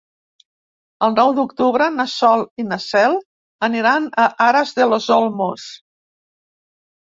El nou d'octubre na Sol i na Cel aniran a Aras de los Olmos.